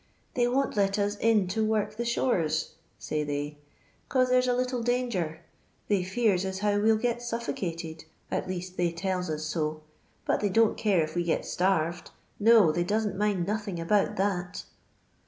" They won't let us in to work the shores," say they, " 'cause there .'s a little danger. They fears as how we 11 get suffocated, at least they tells us so ; but they don't care if we get starved ! no, they doesn't mind nothink about that."